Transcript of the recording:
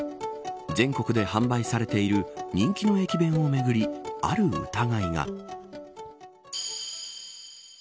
全国で販売されている人気の駅弁をめぐりある疑いが。